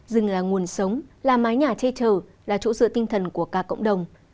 rừng là nguồn sống là mái nhà chê trờ là chỗ sự tinh thần của cả cộng đồng